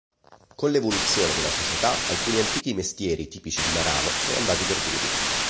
Con l'evoluzione della società, alcuni antichi mestieri tipici di Marano sono andati perduti.